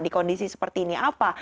di kondisi seperti ini apa